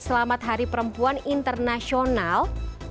selamat hari perempuan internasional